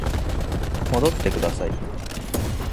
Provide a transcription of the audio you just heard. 戻ってください